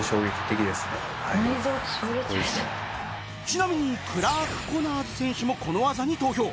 ちなみにクラーク・コナーズ選手もこの技に投票